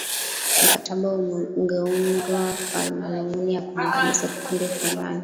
mkataba ungeundwa kwa madhumuni ya kuangamiza kikundi fulani